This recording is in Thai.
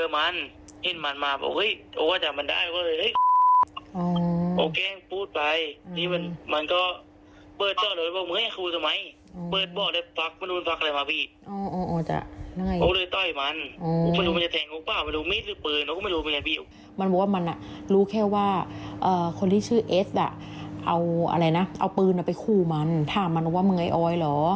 มันบอกว่ามันรู้แค่ว่าคนที่ชื่อเอสอ่ะเอาอะไรนะเอาปืนไปขู่มันถามมันว่าเงยออยเหรอ